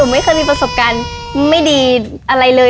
ไม่เคยมีประสบการณ์ไม่ดีอะไรเลย